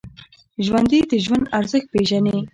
ژوندي د ژوند ارزښت پېژني